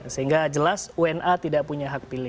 sehingga jelas wna tidak punya hak pilih